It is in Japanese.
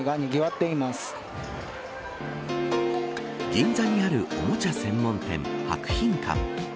銀座にある、おもちゃ専門店博品館。